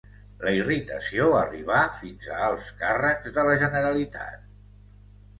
La irritació arribà fins a alts càrrecs de la Generalitat.